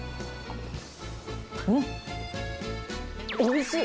うん、おいしい！